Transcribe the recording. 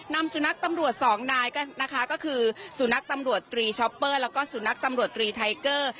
นำสุนัขตำรวจสองนายนะคะก็คือสุนัขตำรวจตรีช็อปเปอร์แล้วก็สุนัขตำรวจตรีไทเกอร์